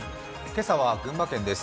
今朝は群馬県です。